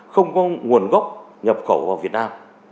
không có nguồn gốc nhập khẩu vào việt nam